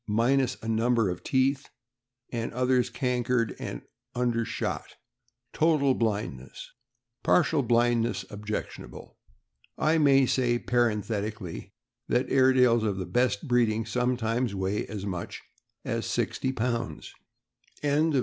e., minus a number of teeth, and others cankered; also undershot; total blindness (partial blindness objectionable). I may say, parenthetically, that Airedales of the best breeding sometimes weigh as much as sixty pounds.